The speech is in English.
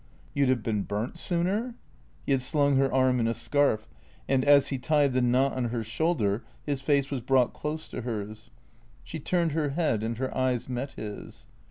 " You 'd have been burnt sooner ?" He had slung her arm in a scarf ; and, as he tied the knot on her shoulder, his face was brought close to hers. She turned her head and her eyes met his.